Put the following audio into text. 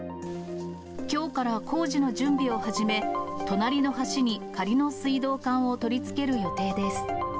きょうから工事の準備を始め、隣の橋に仮の水道管を取り付ける予定です。